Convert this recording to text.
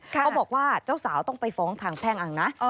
เขาบอกว่าเจ้าสาวต้องไปฟ้องทางแพ่งอังนะ